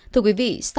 thưa quý vị